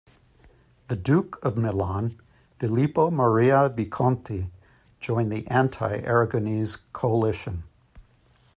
The Duke of Milan, Filippo Maria Visconti, joined the anti-Aragonese coalition.